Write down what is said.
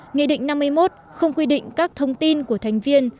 nghị định năm mươi một không quy định các thông tin của thành viên